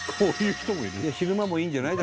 「昼間もいいんじゃない？